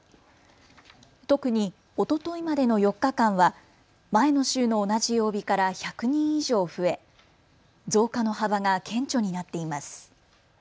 特に、おとといまでの４日間は前の週の同じ曜日から１００人以上増え増加の幅が顕著になっています。